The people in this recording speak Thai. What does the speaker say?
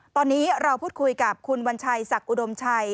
ตอนนี้เราพูดคุยกับคุณวัญชัยศักดิอุดมชัย